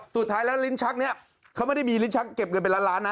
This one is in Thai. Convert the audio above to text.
สุดท้ายแล้วลิ้นชักนี้เขาไม่ได้มีลิ้นชักเก็บเงินเป็นล้านล้านนะ